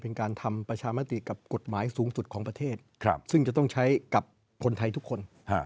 เป็นการทำประชามติกับกฎหมายสูงสุดของประเทศซึ่งจะต้องใช้กับคนไทยทุกคน